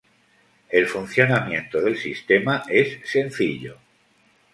El funcionamiento del sistema es sencillo.